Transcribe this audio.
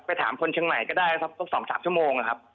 ไปถามคนเชียงใหม่ก็ได้สำคับ๒๓ชมนะครับ